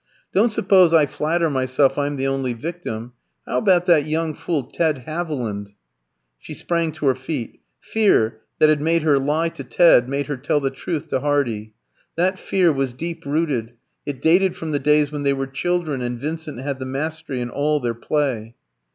"Don't suppose I flatter myself I'm the only victim. How about that young fool Ted Haviland?" She sprang to her feet. Fear, that had made her lie to Ted, made her tell the truth to Hardy. That fear was deep rooted; it dated from the days when they were children and Vincent had the mastery in all their play.